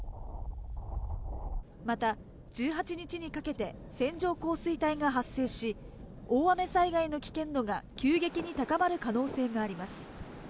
また１８日にかけて線状降水帯が発生し、大雨災害の危険度が急激に高まる可能性があります。